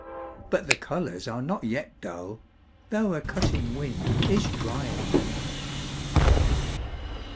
. but the colours are not yet dull, though a cutting wind is drying them.